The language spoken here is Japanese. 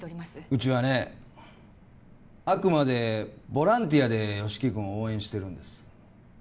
うちはねあくまでボランティアで吉木君を応援してるんです